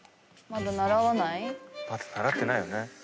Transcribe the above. ・「まだ習ってないよね」